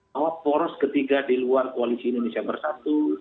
bahwa poros ketiga di luar koalisi indonesia bersatu